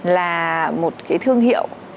là một cái thương hiệu